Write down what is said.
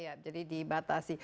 iya jadi dibatasi